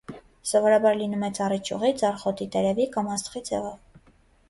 Սովորաբար լինում է ծառի ճյուղի, ձարխոտի տերևի կամ աստղի ձևով։